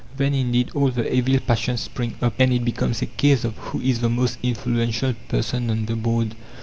Then indeed all the evil passions spring up, and it becomes a case of who is the most influential person on the board.